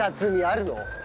あるの？